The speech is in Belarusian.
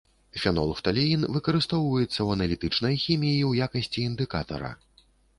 Фенолфталеін выкарыстоўваецца ў аналітычнай хіміі ў якасці індыкатара.